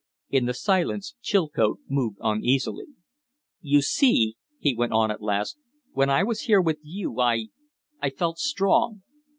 In the silence Chilcote moved uneasily. "You see," he went on, at last, "when I was here with you I I felt strong.